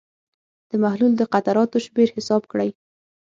د محلول د قطراتو شمېر حساب کړئ.